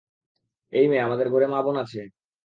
এই মেয়ে, আমাদের ঘরে মা-বোন আছে।